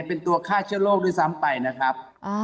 เป็นตัวฆ่าเชื้อโรคด้วยซ้ำไปนะครับ